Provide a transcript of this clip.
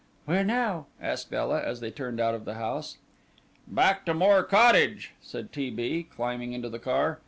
"Where now?" asked Ela, as they turned out of the house. "Back to Moor Cottage," said T. B., climbing into the car.